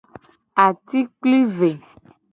Atikplive.